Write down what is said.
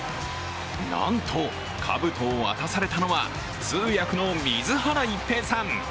なんと、かぶとを渡されたのは通訳の水原一平さん。